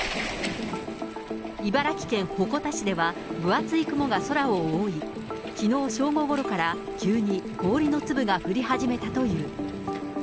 茨城県鉾田市では分厚い雲が空を覆い、きのう正午ごろから急に氷の粒が降り始めたという。